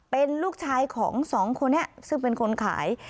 เป็นลูกชายของสองคนนี้ซึ่งเป็นคนขาย